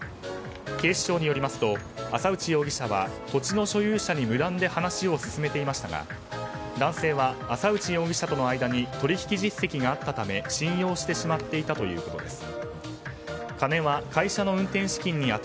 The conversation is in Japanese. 警視庁によりますと浅内容疑者は土地の所有者に無断で話を進めていましたが男性は、浅内容疑者との間に取引実績があったため信用してしまっていたということです。